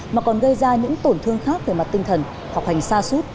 mà còn gây ra những tổn thương khác về mặt tinh thần học hành xa suốt